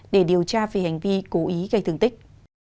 để điều tra về hành vi cố ý gây thương tích